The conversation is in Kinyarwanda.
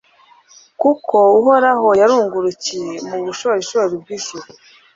kuko uhoraho yarungurukiye mu bushorishori bw'ijuru